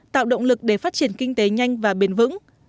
tạo động lực để phát triển kinh tế nhanh và bền vững